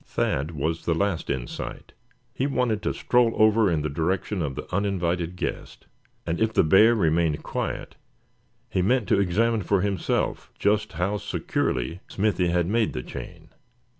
Thad was the last in sight. He wanted to stroll over in the direction of the uninvited guest; and if the bear remained quiet, he meant to examine for himself just how securely Smithy had made the chain.